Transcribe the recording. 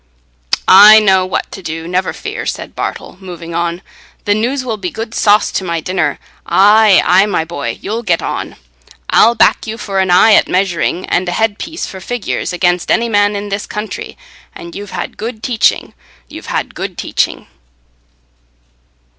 "I know what to do, never fear," said Bartle, moving on. "The news will be good sauce to my dinner. Aye, aye, my boy, you'll get on. I'll back you for an eye at measuring and a head piece for figures, against any man in this county and you've had good teaching—you've had good teaching."